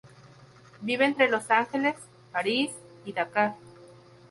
Vive entre Los Ángeles, París y Dakar.